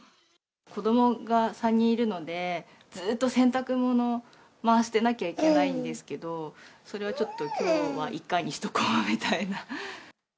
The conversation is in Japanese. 子どもが３人いるので、ずっと洗濯物回してなきゃいけないんですけど、それはちょっときょうは１回にしとこうみたいな。